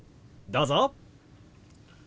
どうぞ！